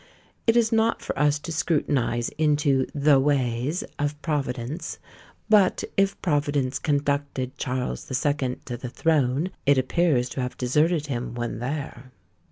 It is not for us to scrutinise into "the ways" of Providence; but if Providence conducted Charles the Second to the throne, it appears to have deserted him when there.